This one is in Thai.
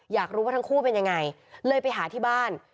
อยากรู้ว่าทั้งคู่เป็นยังไงเลยไปหาที่บ้าน